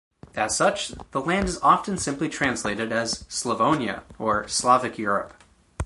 As such, the land is often simply translated as "Slavonia", or Slavic Europe.